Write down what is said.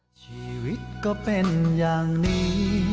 ชีวิตก็เป็นอย่างนี้